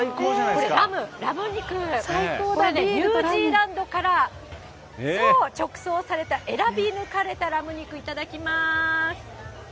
これね、ニュージーランドから直送された、選び抜かれたラム肉、いただきます。